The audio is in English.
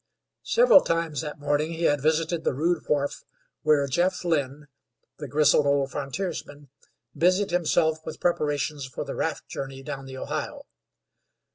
Several times that morning he had visited the rude wharf where Jeff Lynn, the grizzled old frontiersman, busied himself with preparations for the raft journey down the Ohio.